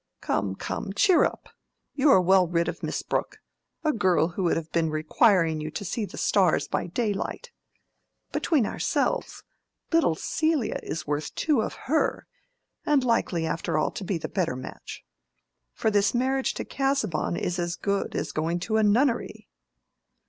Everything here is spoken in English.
Come, come, cheer up! you are well rid of Miss Brooke, a girl who would have been requiring you to see the stars by daylight. Between ourselves, little Celia is worth two of her, and likely after all to be the better match. For this marriage to Casaubon is as good as going to a nunnery."